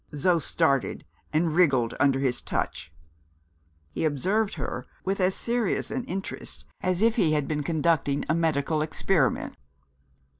Zo started and wriggled under his touch. He observed her with as serious an interest as if he had been conducting a medical experiment.